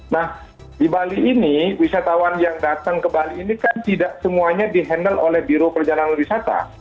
nah di bali ini wisatawan yang datang ke bali ini kan tidak semuanya di handle oleh biro perjalanan wisata